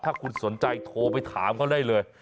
ถ้าคุณสนใจโทรไปถามเขาได้เลย